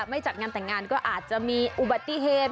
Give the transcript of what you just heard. ไม่จัดงานแต่งงานก็อาจจะมีอุบัติเหตุ